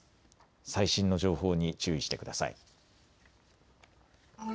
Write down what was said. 最新の情報に注意してください。